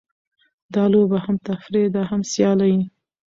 دا لوبه هم تفریح ده؛ هم سیالي.